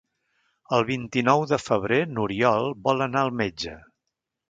El vint-i-nou de febrer n'Oriol vol anar al metge.